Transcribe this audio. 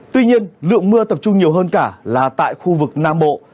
tuy nhiên lượng mưa tập trung nhiều hơn cả là tại khu vực nam bộ